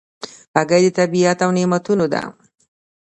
هګۍ د طبیعت له نعمتونو ده.